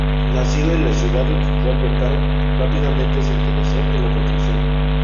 Nacido en la ciudad industrial de Perm, rápidamente se interesó en la producción.